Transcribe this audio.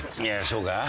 そうか？